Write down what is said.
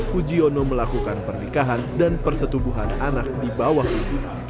pujiono melakukan pernikahan dan persetubuhan anak di bawah ibu